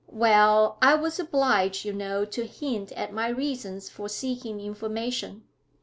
'Well, I was obliged, you know, to hint at my reasons for seeking information.'